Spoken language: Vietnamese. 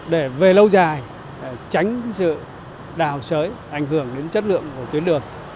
để về lâu dài tránh sự đào sới ảnh hưởng đến chất lượng của tuyến đường